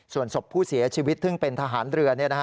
ส่วนศพผู้เสียชีวิตซึ่งเป็นทหารเรือ